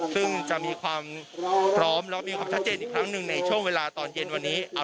ซึ่งจะมีความพร้อมแล้วมีความชัดเจนอีกครั้งหนึ่งในช่วงเวลาตอนเย็นวันนี้